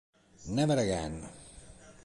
Never Again